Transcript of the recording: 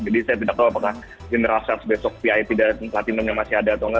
jadi saya tidak tahu apakah generasas besok vip dan platinumnya masih ada atau nggak